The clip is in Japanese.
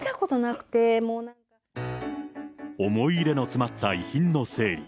思い入れの詰まった遺品の整理。